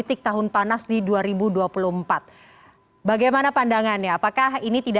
misalnya dalam pilpres dengan koalisinya